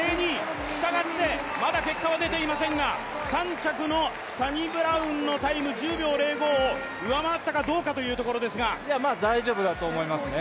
したがって、まだ結果は出ていませんが３着のサニブラウンのタイム、１０秒０５を上回ったかどうかというところですが大丈夫だと思いますね。